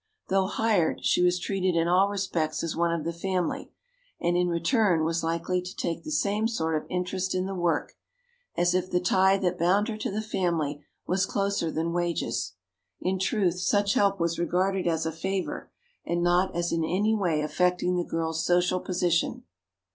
Though hired, she was treated in all respects as one of the family, and in return was likely to take the same sort of interest in the work, as if the tie that bound her to the family was closer than wages. In truth, such help was regarded as a favour, and not as in any way affecting the girl's social position.